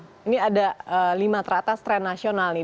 jadi ini ada lima teratas trend nasional nih